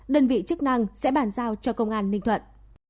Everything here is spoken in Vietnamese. đơn vị chức năng sẽ bàn giao cho công an ninh thuận